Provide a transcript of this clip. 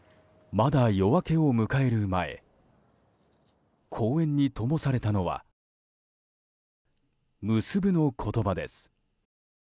まだ夜明けを迎える前公園にともされたのは「むすぶ」の言葉です。